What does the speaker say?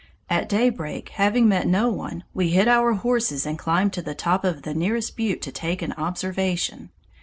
At daybreak, having met no one, we hid our horses and climbed to the top of the nearest butte to take an observation.